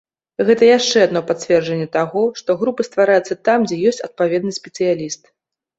Гэта яшчэ адно пацверджанне таго, што групы ствараюцца там, дзе ёсць адпаведны спецыяліст.